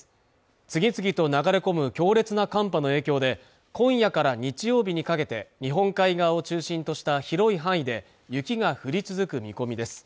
次々と流れ込む強烈な寒波の影響で今夜から日曜日にかけて日本海側を中心とした広い範囲で雪が降り続く見込みです